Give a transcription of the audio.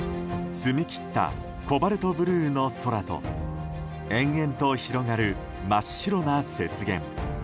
澄み切ったコバルトブルーの空と延々と広がる真っ白な雪原。